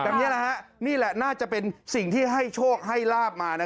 นี่แหละฮะนี่แหละน่าจะเป็นสิ่งที่ให้โชคให้ลาบมา